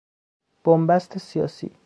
بنبست سیاسی